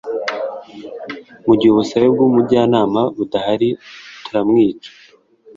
Mu gihe ubusabe bw Umujyanama budahari turmwica